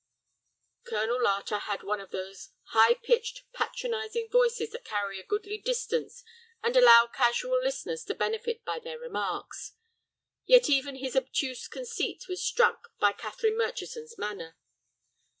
Colonel Larter had one of those high pitched, patronizing voices that carry a goodly distance and allow casual listeners to benefit by their remarks. Yet even his obtuse conceit was struck by Catherine Murchison's manner.